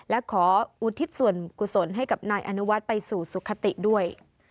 และขออุทิศส่วนกุศลให้กับนายอนุวัฒน์ไปสู่สุขติด้วย